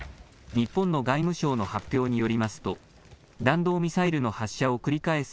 日本の外務省の発表によりますと、弾道ミサイルの発射を繰り返す